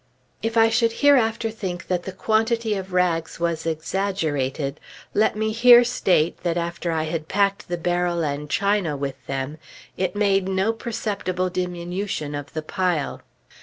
If I should hereafter think that the quantity of rags was exaggerated, let me here state that, after I had packed the barrel and china with them, it made no perceptible diminution of the pile.